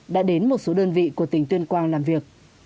đã đến một số đơn vị của tỉnh tuyên quang làm việc